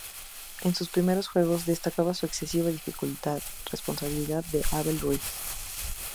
En sus primeros juegos destacaba su excesiva dificultad, responsabilidad de Abel Ruiz.